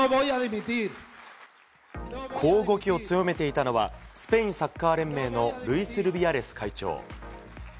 こう語気を強めていたのはスペインサッカー連盟のルイス・ルビアレス会長。